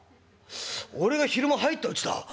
俺が昼間入ったうちだ」。